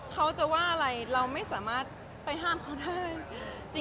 เขาจะว่าอะไรเราไม่สามารถไปห้ามเขาได้